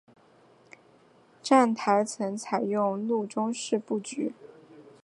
站台层采用路中侧式布局。